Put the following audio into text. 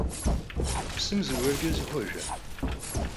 Psım zıguerç'e zixhuejja?